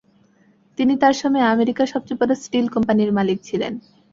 তিনি তার সময়ে আমেরিকার সবচেয়ে বড় স্টিল কোম্পানির মালিক ছিলেন।